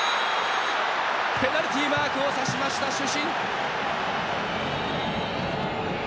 ペナルティーマークを指しました主審。